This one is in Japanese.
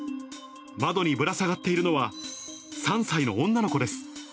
窓にぶら下がっているのは、３歳の女の子です。